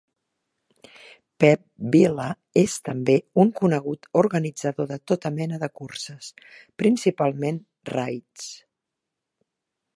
Pep Vila és també un conegut organitzador de tota mena de curses, principalment raids.